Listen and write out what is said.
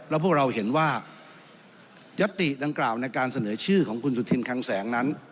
แล้วพวกเราเห็นว่ายัตติดังกล่าวในการเสนอชื่อของคุณสุธินคังแสงนั้น